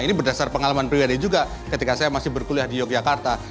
ini berdasar pengalaman pribadi juga ketika saya masih berkuliah di yogyakarta